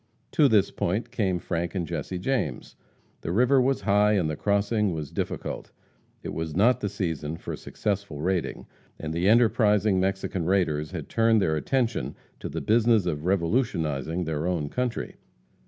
To this point came Frank and Jesse James. The river was high and the crossing difficult. It was not the season for successful raiding, and the enterprising Mexican raiders had turned their attention to the business of revolutionizing their own country.